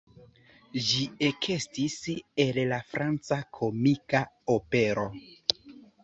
Ĝi ekestis el la franca komika opero.